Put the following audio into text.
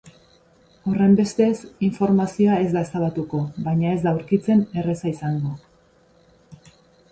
Horrenbestez, informazioa ez da ezabatuko, baina ez da aurkitzen erreza izango.